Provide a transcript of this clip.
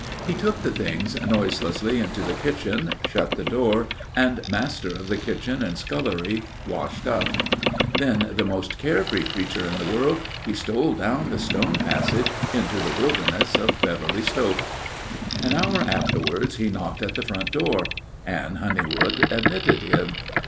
He took the things noiselessly into the kitchen, shut the door, and master of the kitchen and scullery washed up. Then, the most care free creature in the world, he stole down the stone passage into the wilderness of Beverly Stoke. An hour afterwards he knocked at the front door, Anne Honeywood admitted him.